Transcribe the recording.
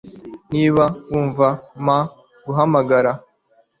Niba wumva , mpa guhamagara.